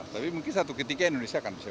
tapi mungkin satu ketika indonesia akan bisa